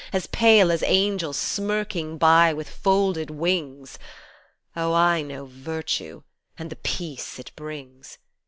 As pale as angels smirking by, with folded wings. Oh ! I know Virtue, and the peace it brings